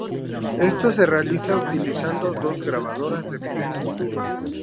Esto se realiza utilizando dos grabadoras de vídeo.